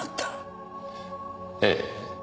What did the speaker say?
ええ。